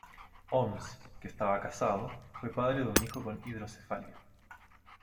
Oms, que estaba casado, fue padre de un hijo con hidrocefalia.